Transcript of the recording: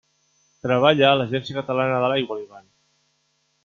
Treballa a l'Agència Catalana de l'Aigua, l'Ivan.